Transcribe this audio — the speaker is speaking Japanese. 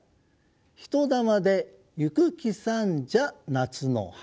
「飛と魂で行くきさんじゃ夏の原」。